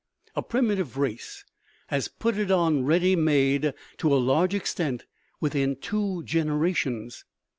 A primitive race has put it on ready made, to a large extent, within two generations.